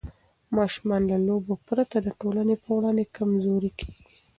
ماشومان له لوبو پرته د ټولنې په وړاندې کمزوري کېږي.